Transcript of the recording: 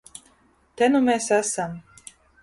Te nu mēs esam.